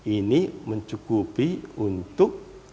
ini decukupi untuk